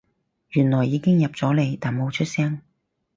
原來已經入咗嚟但冇出聲